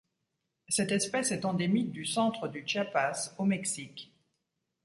Cette espèce est endémique du centre du Chiapas au Mexique.